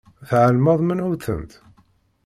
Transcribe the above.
Tεelmeḍ menhu-tent?